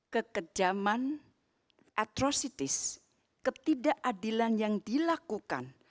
kekejaman atrositis ketidakadilan yang dilakukan